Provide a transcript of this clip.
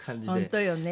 本当よね。